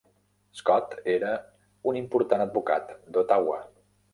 Scott era un important advocat d'Ottawa.